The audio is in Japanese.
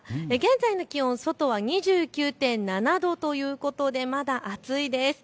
現在の気温、外は２９．７度ということでまだ暑いです。